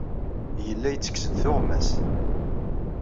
Yella yettekkes-d tuɣmas.